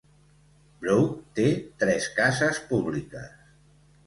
Brough té tres cases públiques.